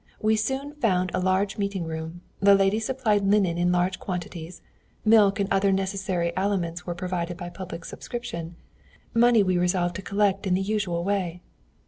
We soon found a large meeting room; the ladies supplied linen in large quantities; milk and other necessary aliments were provided by public subscription; money we resolved to collect in the usual way."